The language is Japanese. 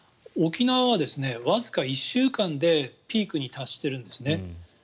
沖縄はわずか１週間でピークに達しているんですね。